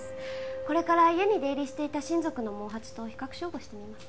これから家に出入りしていた親族の毛髪と比較照合してみます。